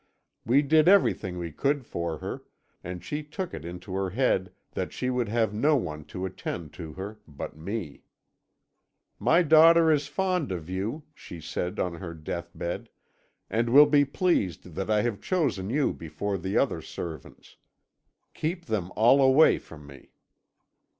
We did everything we could for her, and she took it into her head that she would have no one to attend to her but me. "'My daughter is fond of you,' she said on her deathbed, 'and will be pleased that I have chosen you before the other servants. Keep them all away from me.'